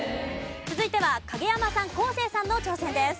続いては影山さん昴生さんの挑戦です。